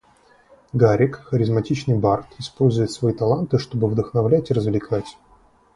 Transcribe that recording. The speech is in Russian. Гаррик, харизматичный бард, использует свои таланты, чтобы вдохновлять и развлекать.